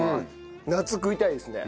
夏食いたいですね。